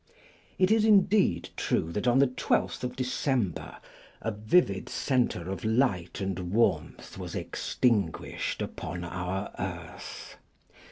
It is indeed true that on that twelfth of December, a vivid centre of light and warmth was extinguished upon our earth.